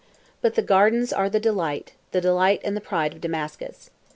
But its gardens are the delight, the delight and the pride of Damascus.